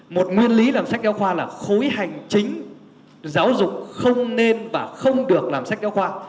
một nguyên lý làm sách giáo khoa là khối hành chính giáo dục không nên và không được làm sách giáo khoa